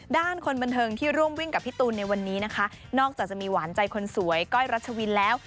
คนบันเทิงที่ร่วมวิ่งกับพี่ตูนในวันนี้นะคะนอกจากจะมีหวานใจคนสวยก้อยรัชวินแล้ว